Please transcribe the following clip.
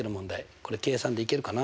これ計算できるかな？